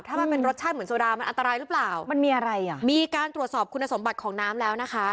ถ้ามันเป็นรสชาติเหมือนโซดามันอันตรายหรือเปล่ามันมีอะไรอ่ะมีการตรวจสอบคุณสมบัติของน้ำแล้วนะคะ